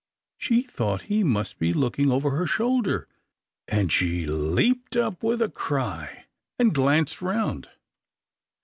She thought he must be looking over her shoulder, and she leaped up with a cry, and glanced round.